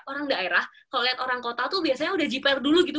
orang daerah kalau lihat orang kota tuh biasanya udah jipare dulu gitu